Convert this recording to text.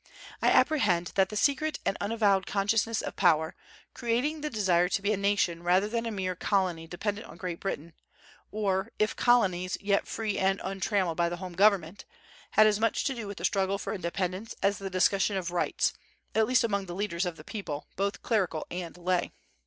I apprehend that the secret and unavowed consciousness of power, creating the desire to be a nation rather than a mere colony dependent on Great Britain, or, if colonies, yet free and untrammelled by the home government, had as much to do with the struggle for independence as the discussion of rights, at least among the leaders of the people, both clerical and lay.